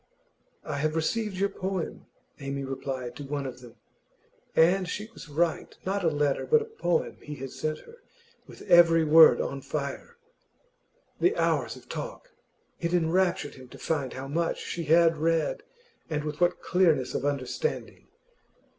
'I have received your poem,' Amy replied to one of them. And she was right; not a letter, but a poem he had sent her, with every word on fire. The hours of talk! It enraptured him to find how much she had read, and with what clearness of understanding.